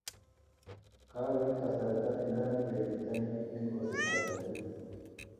kakoit kasarta eng neranik koik kiptainik eng kolsetab ketiik